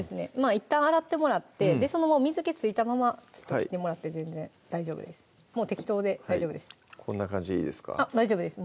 いったん洗ってもらってそのまま水気付いたまま切ってもらって全然大丈夫ですもう適当で大丈夫ですはいこんな感じでいいですか大丈夫です